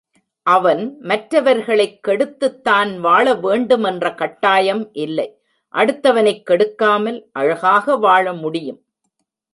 அவன் மற்றவர்களைக் கெடுத்துத் தான் வாழ வேண்டும் என்ற கட்டாயம் இல்லை அடுத்தவனைக் கெடுக்காமல் அழகாக வாழ முடியும்.